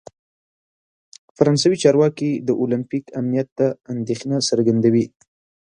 فرانسوي چارواکي د اولمپیک امنیت ته اندیښنه څرګندوي.